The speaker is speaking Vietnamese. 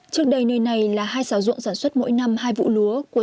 trước đây nơi này là hai xào ruộng sản xuất mỗi năm hai vụ lúa của